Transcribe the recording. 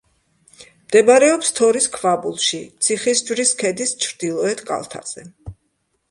მდებარეობს თორის ქვაბულში, ციხისჯვრის ქედის ჩრდილოეთ კალთაზე.